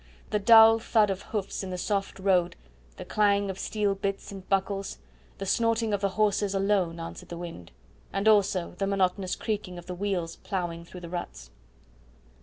The dull thud of hoofs in the soft road, the clang of steel bits and buckles, the snorting of the horses alone answered the wind, and also the monotonous creaking of the wheels ploughing through the ruts.